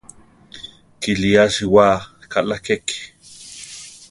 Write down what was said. Kilí asiwá kaʼlá keke.